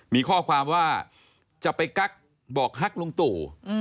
มีข้อความว่าจะไปกั๊กบอกฮักลุงตู่